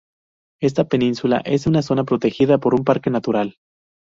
Esta península es una zona protegida por un parque natural.